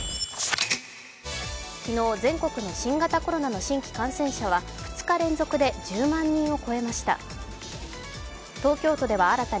昨日全国の新型コロナの新規感染者は２日連続で１０万人を超えました。